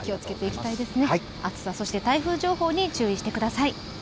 暑さ、そして台風情報に注意してください。